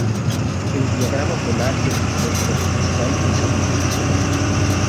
El diagrama polar del micrófono de cristal es omnidireccional.